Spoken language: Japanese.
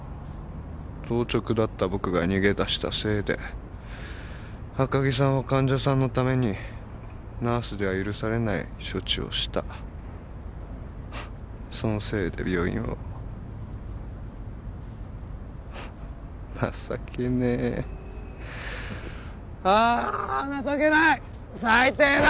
当直だった僕が逃げ出したせいで赤城さんは患者さんにナースでは許されない処置をしたそのせいで病院を情けねえああ情けない最低だ！